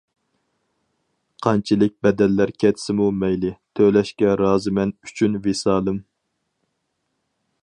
قانچىلىك بەدەللەر كەتسىمۇ مەيلى، تۆلەشكە رازىمەن ئۈچۈن ۋىسالىم.